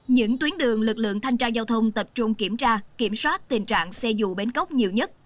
những tuyến đường lực lượng thanh tra giao thông tập trung kiểm tra kiểm soát tình trạng xe dù bến cóc nhiều nhất